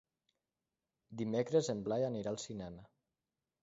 Dimecres en Blai anirà al cinema.